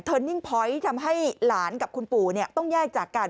ทำให้หลานกับคุณปู่เนี่ยต้องย่ายจากกัน